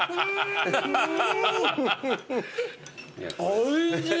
おいしい！